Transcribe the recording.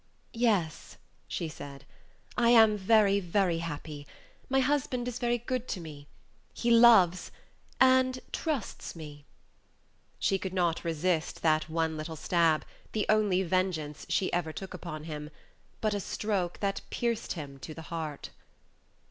"Yes," she said, "I am very, very happy. My husband is very good to me. He loves and trusts me." She could not resist that one little stab the only vengeance she ever took upon him, but a stroke that pierced him to the heart.